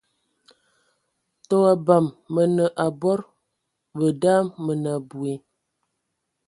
Tə o abam Mə nə abɔd, və da mə nə abui.